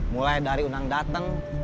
mulai dari undang dateng